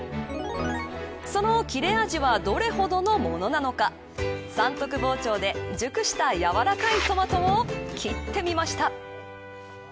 その切れ味はどれほどのものなのか三徳包丁で熟した柔らかいトマトを切ってみました。